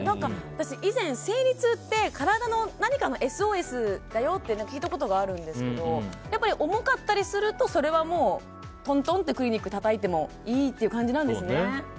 私、以前、生理痛って体の何かのＳＯＳだよって聞いたことあるんですけど重かったりすると、それはもうトントンってクリニックをたたいてもいいという感じなんですね。